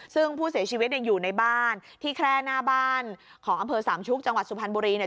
ซึ่งผู้เสียชีวิตเนี่ยอยู่ในบ้านที่แคร่หน้าบ้านของอำเภอสามชุกจังหวัดสุพรรณบุรีเนี่ย